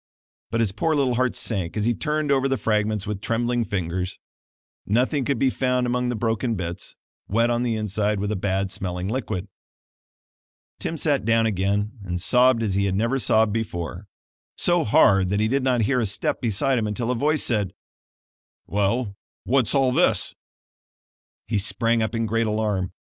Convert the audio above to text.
But his poor little heart sank as he turned over the fragments with trembling fingers. Nothing could be found among the broken bits, wet on the inside with a bad smelling liquid. Tim sat down again and sobbed as he had never sobbed before; so hard that he did not hear a step beside him until a voice said: "Well, what's all this?" He sprang up in great alarm.